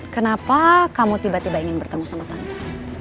kenapa kamu tiba tiba ingin bertemu sama tante